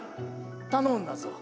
頼んだぞ。